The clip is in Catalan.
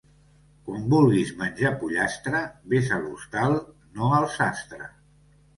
Quan vulguis menjar pollastre ves a l'hostal, no al sastre.